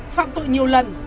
phạm tội nhiều lần